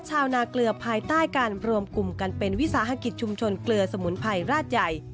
ชาวนาเกลือภายใต้การรวมกลุ่มกันเป็นวิสาหกิจชุมชนเกลือสมุนไพรราชใหญ่